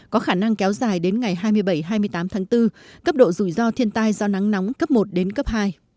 có khả năng kéo dài đến ngày hai mươi bảy hai mươi tám tháng bốn cấp độ rủi ro thiên tai do nắng nóng cấp một đến cấp hai